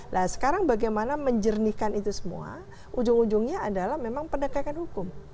nah sekarang bagaimana menjernihkan itu semua ujung ujungnya adalah memang pendekatan hukum